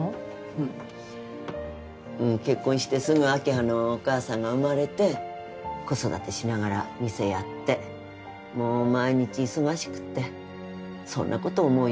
うん結婚してすぐ明葉のお母さんが生まれて子育てしながら店やってもう毎日忙しくってそんなこと思う